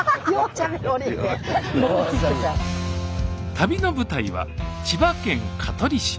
旅の舞台は千葉県香取市。